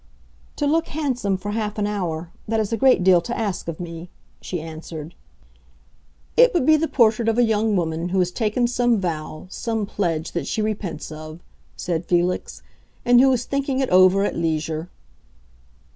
"To look handsome for half an hour—that is a great deal to ask of me," she answered. "It would be the portrait of a young woman who has taken some vow, some pledge, that she repents of," said Felix, "and who is thinking it over at leisure."